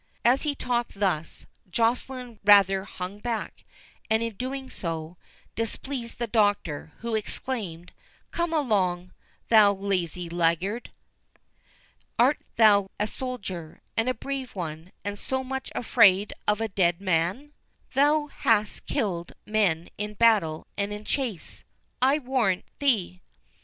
As he talked thus, Joceline rather hung back, and, in doing so, displeased the Doctor, who exclaimed, "Come along, thou lazy laggard! Art thou a soldier, and a brave one, and so much afraid of a dead man? Thou hast killed men in battle and in chase, I warrant thee."